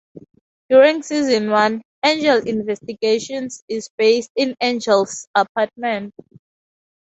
During Season One, Angel Investigations is based in Angel's apartment.